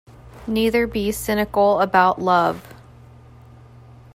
Neither be cynical about love